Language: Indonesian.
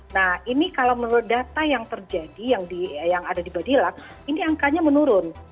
nah ini kalau menurut data yang terjadi yang ada di badilang ini angkanya menurun